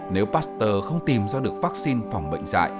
nếu pasteur không tìm ra được vaccine phòng bệnh dạy